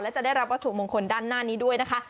และจะได้รับวัตถุมงคลด้านหน้านี้ด้วยนะคะ